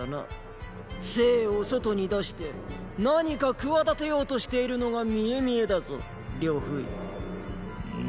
政を外に出して何か企てようとしているのが見え見えだぞ呂不韋。。